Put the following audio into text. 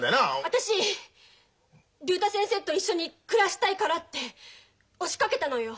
私竜太先生と一緒に暮らしたいからって押しかけたのよ。